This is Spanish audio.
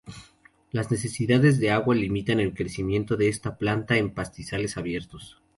Las necesidades de agua limitan el crecimiento de esta planta en pastizales abiertos.